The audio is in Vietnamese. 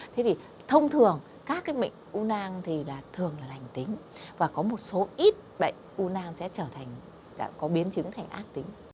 thế thì thông thường các cái mệnh u nang thì là thường là lành tính và có một số ít bệnh u nang sẽ trở thành có biến chứng thành ác tính